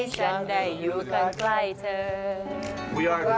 จากรักษีดีต้อนรับ